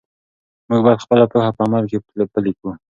موږ باید خپله پوهه په عمل کې پلی کړو.